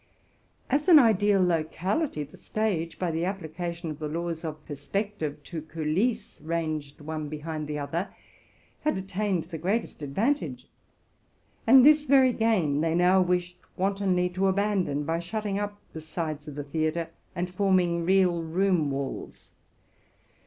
As an ideal locality, the stage, by the application of the laws of perspective to coulisses ranged one behind the other, had attained the greatest advantage ; and this very gain they now wished wantonly to abandon, by shutting up the sides of the theatre, and forming real room walls.